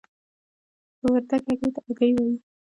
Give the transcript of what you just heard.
وردګ هګۍ ته آګۍ وايي.